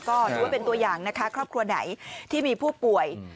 ก็ถือว่าเป็นตัวอย่างนะคะครอบครัวไหนที่มีผู้ป่วย